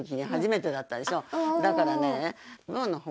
だからね。